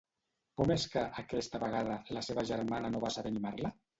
Com és que, aquesta vegada, la seva germana no va saber animar-la?